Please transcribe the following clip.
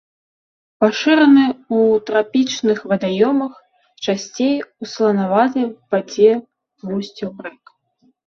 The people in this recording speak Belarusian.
Пашыраны ў трапічных вадаёмах, часцей у саланаватай вадзе вусцяў рэк.